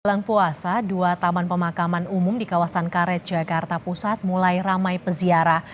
jelang puasa dua taman pemakaman umum di kawasan karet jakarta pusat mulai ramai peziara